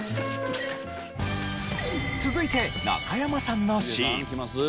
続いて中山さんのシーン。